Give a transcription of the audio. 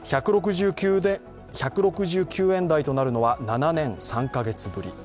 １６９円台となるのは７年３カ月ぶり。